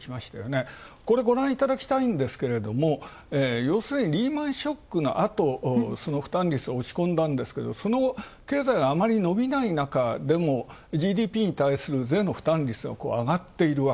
ごらんいただきたいんですが、ようするにリーマンショックの後、その負担率、落ち込んだんですが、その後、経済があまり伸びないなかでのＧＤＰに対する税の負担があがっている。